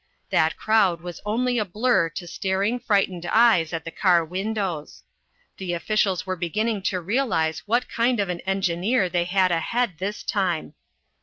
That crowd was only a blur to staring, frightened eyes at the car windows. The officials were beginning to realize what kind of an engineer they had ahead this time.